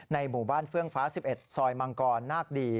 หมู่บ้านเฟื่องฟ้า๑๑ซอยมังกรนาคดี